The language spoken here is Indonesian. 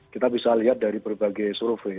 kita bisa lihat dari berbagai survei